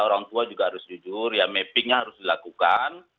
orang tua juga harus jujur ya mappingnya harus dilakukan